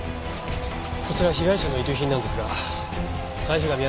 こちら被害者の遺留品なんですが財布が見当たりません。